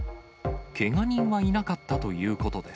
けが人はいなかったということで